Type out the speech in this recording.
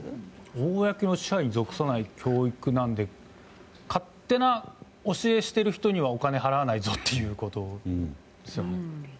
公の支配に属さない教育なんで勝手な教えをしている人にはお金を払わないぞっていうことですよね。